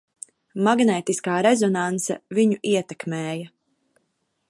Magnētiskā rezonanse viņu ietekmēja.